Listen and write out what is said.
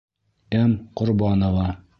М. ҠОРБАНОВА.